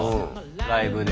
ライブで。